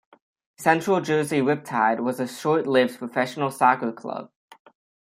Central Jersey Riptide was a short-lived professional soccer club.